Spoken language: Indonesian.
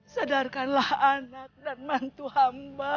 sadarkanlah anak dan mantu hamba